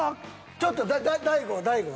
ちょっと大悟大悟は。